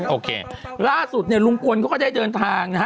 โอเคล่าสุดฮะลุงกลกก็ได้เดินทางนะฮะ